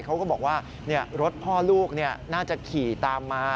เขาก็บอกว่ารถพ่อลูกน่าจะขี่ตามมา